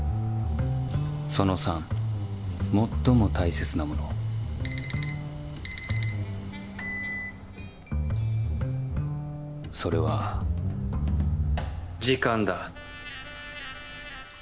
その３もっとも大切なものそれは時間だ。